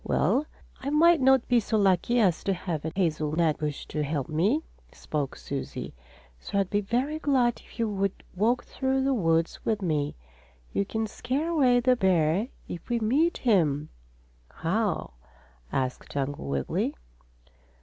"Well, I might not be so lucky as to have a hazelnut bush to help me," spoke Susie. "So I'd be very glad if you would walk through the woods with me. You can scare away the bear if we meet him." "How?" asked Uncle Wiggily.